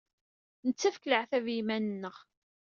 Nettakf leɛtab i yiman-nneɣ.